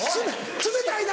冷たいな！